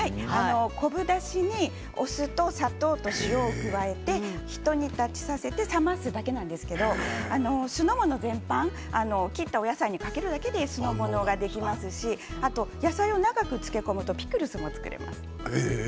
昆布だしに、お酢と砂糖と塩を入れて、ひと煮立ちさせて冷ますだけなんですけれども酢の物全般切ったお野菜にかけるだけで酢の物ができますし野菜を長く漬け込むとピクルスも作れます。